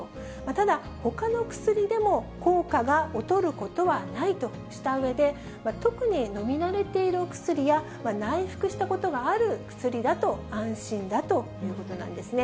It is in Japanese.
ただ、ほかの薬でも効果が劣ることはないとしたうえで、特に飲み慣れているお薬や、内服したことがある薬だと安心だということなんですね。